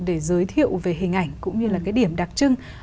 để giới thiệu về hình ảnh cũng như là cái điểm đặc trưng